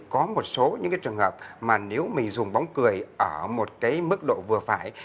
có một số những trường hợp mà nếu mình dùng bóng cười ở một mức độ vừa phải